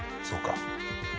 そうか。